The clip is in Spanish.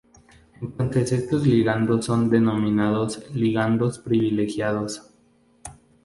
Entonces, estos ligandos son denominados ligandos privilegiados.